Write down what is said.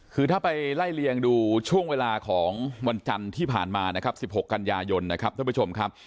คือถ้าไปไล่เลียงดูช่วงเวลาของวันจันทร์ที่ผ่านมานะครับ๑๖กันยายนนะครับท่านผู้ชมครับ